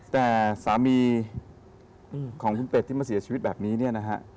แต่สามีของคุณเป็ดที่มาเสียชีวิตแบบนี้เนี่ยนะฮะ